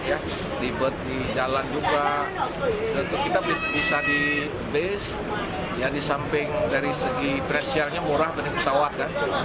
ya ribet di jalan juga tentu kita bisa di base ya di samping dari segi presialnya murah dari pesawat kan